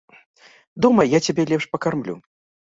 Дома я цябе лепш пакармлю.